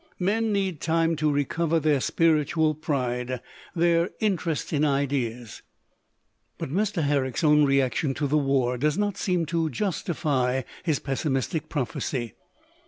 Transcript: Men need time to recover their spiritual pride, their interest in ideas." But Mr. Herrick's own reaction to the war LITERATURE IN THE MAKING does not seem to justify his pessimistic prophecy.